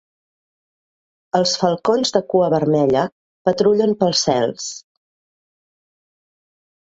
Els falcons de cua vermella patrullen pels cels.